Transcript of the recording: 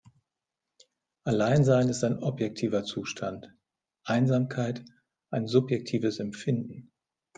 Alleinsein ist ein objektiver Zustand, Einsamkeit ein subjektives Empfinden.